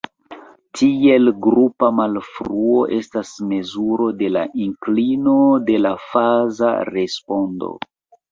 Tiel grupa malfruo estas mezuro de la inklino de la faza respondo.